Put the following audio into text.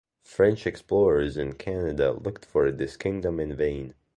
French explorers in Canada looked for this kingdom in vain.